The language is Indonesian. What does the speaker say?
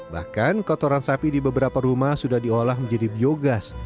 bahkan kotoran sapi di beberapa rumah sudah diolah menjadi biogas